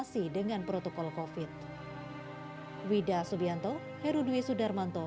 masih dengan protokol covid